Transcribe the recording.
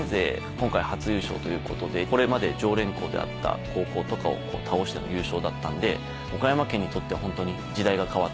今回初優勝ということでこれまで常連校であった高校とかを倒しての優勝だったんで岡山県にとってはホントに時代が変わった。